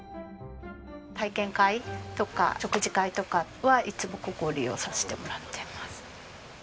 体験会とか食事会とかはいつもここを利用させてもらっています。